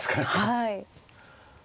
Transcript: はい。